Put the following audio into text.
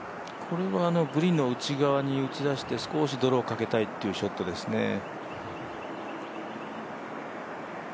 これはグリーンの内側に打ち出して、少しドローかけたいというショットですね。